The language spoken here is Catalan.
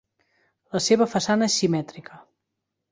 La seva façana és simètrica.